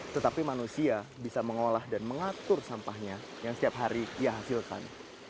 tetapi manusia bisa mengolah dan mengatur sampahnya yang setiap hari ia hasilkan